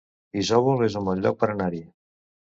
Isòvol es un bon lloc per anar-hi